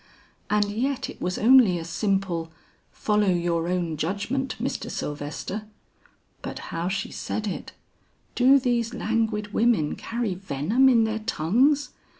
And yet it was only a simple, 'Follow your own judgment, Mr. Sylvester.' But how she said it! Do these languid women carry venom in their tongues?